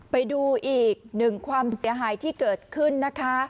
ไปดูอีกหนึ่งความเสียหายที่เกิดขึ้นนะคะ